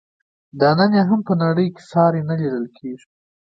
دا نن یې هم په نړۍ کې ساری نه لیدل کیږي.